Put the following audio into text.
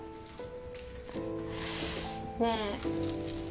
ねえ。